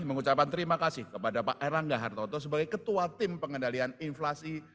mengucapkan terima kasih kepada pak erlangga hartoto sebagai ketua tim pengendalian inflasi